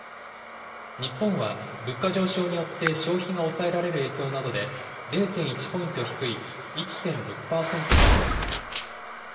日本は、物価上昇によって消費が抑えられる影響などで、０．１ポイント低い１．６％となっています。